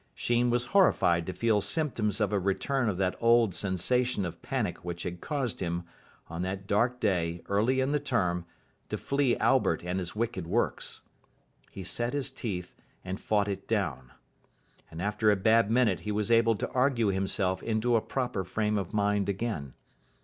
Sheen was horrified to feel symptoms of a return of that old sensation of panic which had caused him, on that dark day early in the term, to flee Albert and his wicked works. He set his teeth, and fought it down. And after a bad minute he was able to argue himself into a proper frame of mind again.